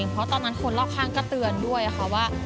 เพราะตอนนั้นคนรอบข้างก็เตือนด้วยค่ะว่า